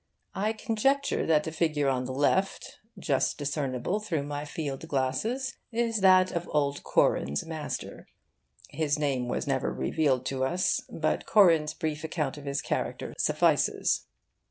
I conjecture that the figure on the left, just discernible through my field glasses, is that of old Corin's master. His name was never revealed to us, but Corin's brief account of his character suffices.